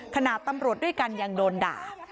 ตำรวจด้วยกันยังโดนด่า